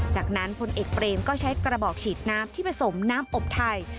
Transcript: จากนั้นพลเอกเปรมก็ใช้กระบอกฉีดน้ำที่ผสมน้ำอบไทย